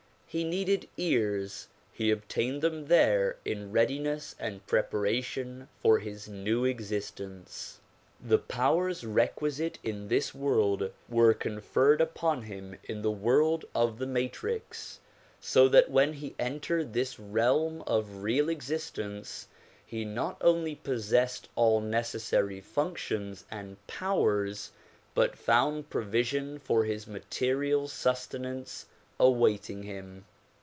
He needed ears ; he obtained them there in readiness and preparation for his new existence. The powers requisite in this DISCOURSES DELIVERED IN NEW YORK 221 world were conferred upon him in the world of the matrix, so that when he entered this realm of real existence he not only possessed all necessary functions and powers but found provision for his material sustenance awaiting him.